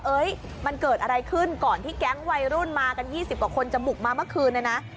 มันเกิดอะไรขึ้นก่อนที่แก๊งวัยรุ่นมากัน๒๐กว่าคนจะบุกมาเมื่อคืนเนี่ยนะ